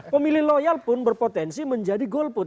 pemilih loyal pun berpotensi menjadi golput